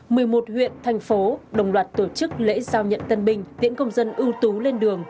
một mươi một huyện thành phố đồng loạt tổ chức lễ giao nhận tân binh tiễn công dân ưu tú lên đường